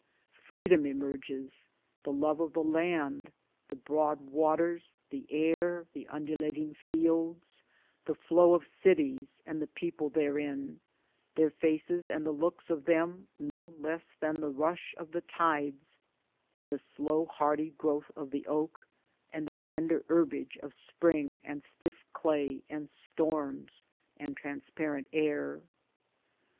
Freedom emerges, the love of the land — the broad waters, the air, the undulating fields, the flow of cities and the people therein, their faces and the looks of them no less than the rush of the tides and the slow hardy growth of the oak and the tender herbage of spring and stiff clay and storms and transparent air.